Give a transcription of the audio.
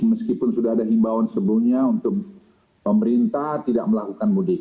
meskipun sudah ada himbawan sebelumnya untuk pemerintah tidak melakukan mudik